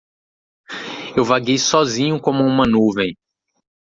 Eu vaguei sozinho como uma nuvem.